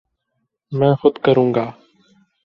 میں خود کروں گا